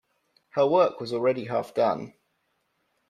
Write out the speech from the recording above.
Her work was already half done.